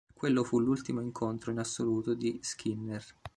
Quello fu l'ultimo incontro in assoluto di Skinner.